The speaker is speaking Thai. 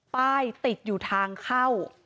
ป้ายติดอยู่ทางเข้า